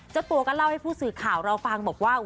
เจ้าตัวก็เล่าให้ผู้สื่อข่าวเราฟังบอกว่า